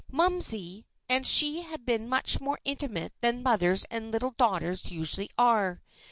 "Momsey" and she had been much more intimate than mothers and little daughters usually are.